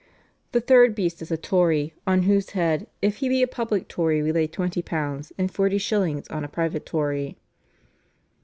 The third beast is a Tory, on whose head, if he be a public Tory we lay twenty pounds, and forty shillings on a private Tory."